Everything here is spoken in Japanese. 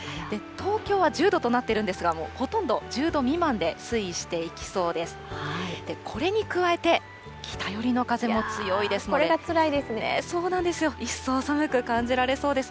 東京は１０度となっているんですが、もうほとんど１０度未満で推移していきそうです。